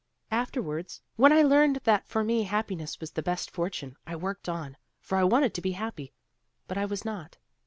Afterwards when I learned that for me happiness was the best fortune, I worked on, for I wanted to be happy, but I was not.